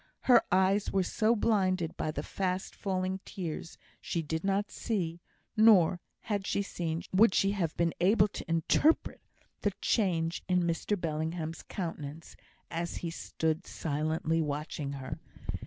Her eyes were so blinded by the fast falling tears, she did not see (nor had she seen would she have been able to interpret) the change in Mr Bellingham's countenance, as he stood silently watching her.